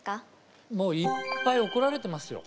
もういっぱい怒られてますよ